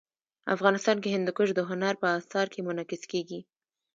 افغانستان کې هندوکش د هنر په اثار کې منعکس کېږي.